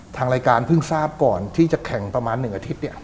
ทางรายการเพิ่งทราบก่อนที่จะแข่งประมาณ๑อาทิตย์เนี่ย